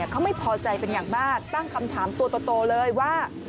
เขาไม่พอใจเป็นอย่างมากตั้งคำถามตัวโตเลยว่า